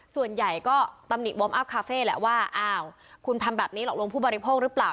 ส่วนใหญ่ก็ตำหนิวอร์มอัพคาเฟ่แหละว่าอ้าวคุณทำแบบนี้หลอกลวงผู้บริโภคหรือเปล่า